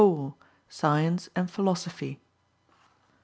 SCIENCE AND PHILOSOPHY.